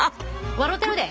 笑うてるで。